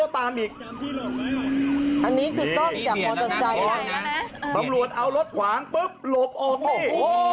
ตำรวจเอารถขวางปุ๊บหลบออกนี่